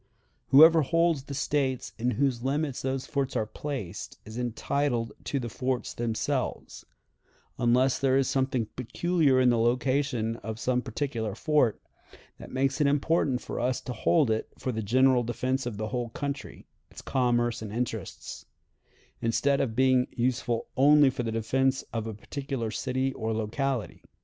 Whoever holds the States in whose limits those forts are placed is entitled to the forts themselves, unless there is something peculiar in the location of some particular fort that makes it important for us to hold it for the general defense of the whole country, its commerce and interests, instead of being useful only for the defense of a particular city or locality.